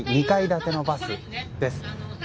２階建てのバスです。